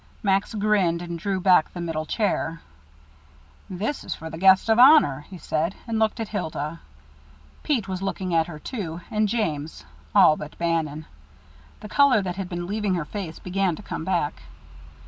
Max grinned and drew back the middle chair. "This is for the guest of honor," he said, and looked at Hilda. Pete was looking at her, too, and James all but Bannon. The color, that had been leaving her face, began to come back.